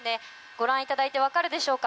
ご覧いただいて分かるでしょうか。